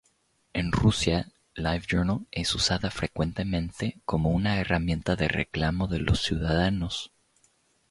En Rusia, LiveJournal es usada frecuentemente como una herramienta de reclamo de los ciudadanos.